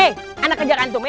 eh anak kejar antum ya